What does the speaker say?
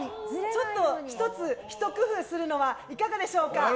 ちょっとひと工夫するのはいかがでしょうか。